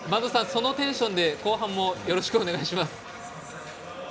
そのテンションで後半もよろしくお願いします。